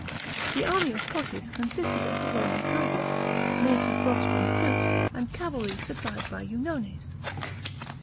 The army of Cotys consisted of the Roman cohorts, native Bosporan troops, and cavalry supplied by Eunones.